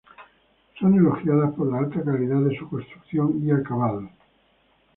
Son elogiadas por la alta calidad de su construcción y acabados.